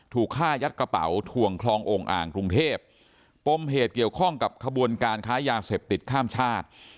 ถูกฆ่ายัดกระเป๋าถ่วงคลองโอ่งอ่างกรุงเทพปมเหตุเกี่ยวข้องกับขบวนการค้ายาเสพติดข้ามชาติ